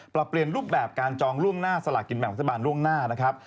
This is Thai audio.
ปรับเปลี่ยนรูปแบบการจองล่วงหน้าสลากินแบ่งรัฐบาลล่วงหน้านะครับ